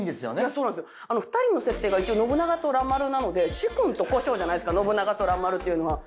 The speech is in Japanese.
そうなんですよ２人の設定が一応信長と蘭丸なので主君と小姓じゃないですか信長と蘭丸っていうのは。